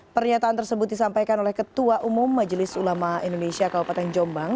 pernyataan tersebut disampaikan oleh ketua umum majelis ulama indonesia kabupaten jombang